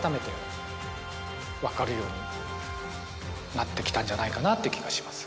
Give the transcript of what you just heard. なってきたんじゃないかなって気がします。